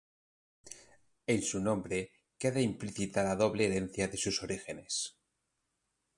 En su nombre queda implícita la doble herencia de sus orígenes.